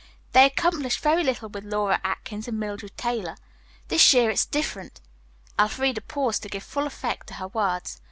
They accomplished very little with Laura Atkins and Mildred Taylor. This year it's different." Elfreda paused to give full effect to her words.